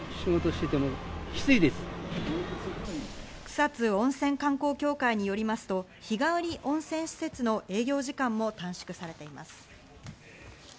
草津温泉観光協会によりますと、日帰り温泉施設の営業時間も短縮されています。